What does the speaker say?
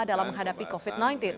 dalam menghadapi covid sembilan belas